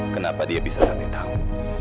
kenapa dia bisa sampai tahu